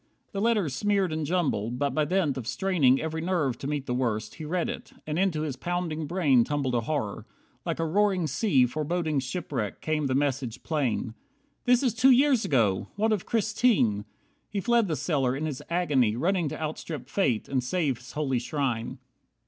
The letters smeared and jumbled, but by dint Of straining every nerve to meet the worst, He read it, and into his pounding brain Tumbled a horror. Like a roaring sea Foreboding shipwreck, came the message plain: "This is two years ago! What of Christine?" He fled the cellar, in his agony Running to outstrip Fate, and save his holy shrine.